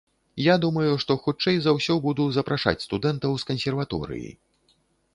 Я думаю, што хутчэй за ўсё буду запрашаць студэнтаў з кансерваторыі.